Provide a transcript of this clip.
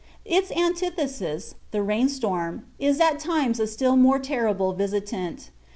Its antithesis, the rainstorm, is at times a still more terrible visitant.